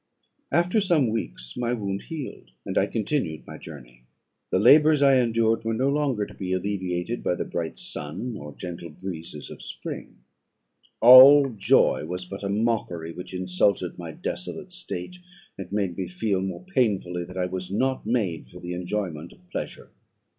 "After some weeks my wound healed, and I continued my journey. The labours I endured were no longer to be alleviated by the bright sun or gentle breezes of spring; all joy was but a mockery, which insulted my desolate state, and made me feel more painfully that I was not made for the enjoyment of pleasure.